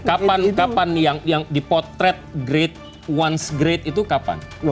kapan yang dipotret great once great itu kapan